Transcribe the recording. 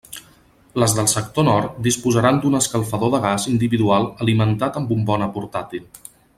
Les del sector nord disposaran d'un escalfador de gas individual alimentat amb bombona portàtil.